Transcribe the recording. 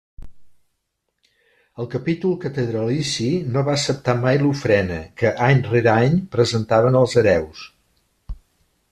El Capítol catedralici no va acceptar mai l'ofrena, que any rere any presentaven els hereus.